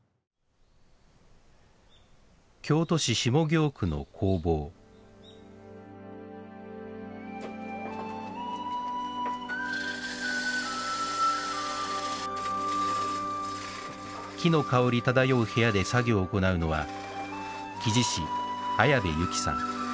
京都市下京区の工房木の香り漂う部屋で作業を行うのは木地師綾部之さん。